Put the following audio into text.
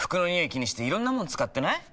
気にしていろんなもの使ってない？